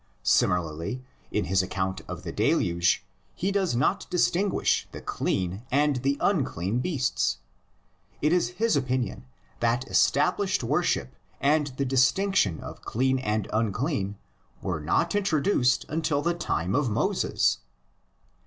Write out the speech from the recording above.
Similarly, in his account of the Deluge, he does not distinguish the clean and the unclean beasts. It is his opinion that established worship and the distinction of clean and unclean were not introduced until the time of Moses.